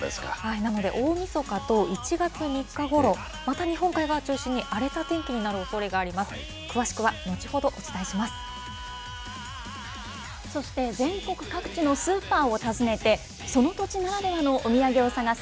なので、大みそかと１月３日ごろ、また日本海側を中心に、荒れた天気になるおそれがあります。